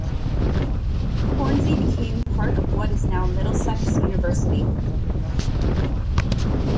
Hornsey became part of what is now Middlesex University.